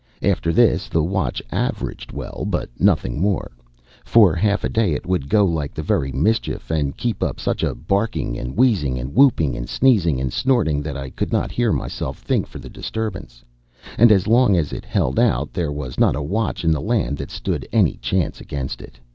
After this the watch averaged well, but nothing more. For half a day it would go like the very mischief, and keep up such a barking and wheezing and whooping and sneezing and snorting, that I could not hear myself think for the disturbance; and as long as it held out there was not a watch in the land that stood any chance against it.